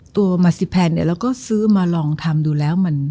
ตัวมาซิแพนเนี่ยเราก็ซื้อมาลองทำดูแล้ว